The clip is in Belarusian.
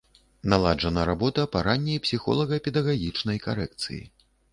Наладжана работа па ранняй псіхолага-педагагічнай карэкцыі.